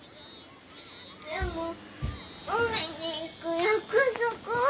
でも海に行く約束は？